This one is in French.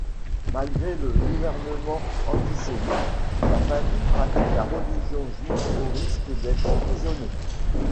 Malgré le gouvernement antisémite, la famille pratique la religion juive au risque d'être emprisonnée.